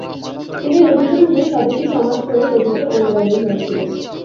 তিনি রবীন্দ্রনাথের 'স্বদেশী সমাজ' পড়ে রবীন্দ্র অনুরাগী হয়েছিলেন।